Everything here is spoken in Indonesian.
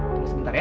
tunggu sebentar ya